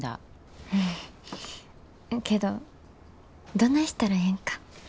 うんけどどないしたらええんか。